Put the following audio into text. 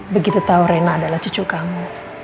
begitu tahu rena adalah cucu kamu